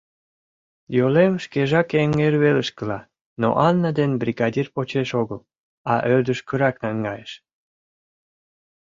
Йолем шкежак эҥер велышкыла, но Анна ден бригадир почеш огыл, а ӧрдыжкырак наҥгайыш.